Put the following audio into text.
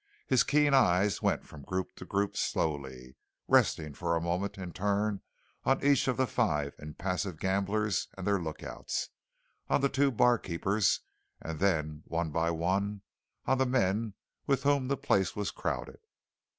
His keen eyes went from group to group slowly, resting for a moment in turn on each of the five impassive gamblers and their lookouts, on the two barkeepers, and then one by one on the men with whom the place was crowded.